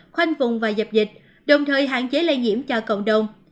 khoanh vùng và dập dịch đồng thời hạn chế lây nhiễm cho cộng đồng